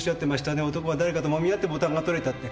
男は誰かともみ合ってボタンが取れたって。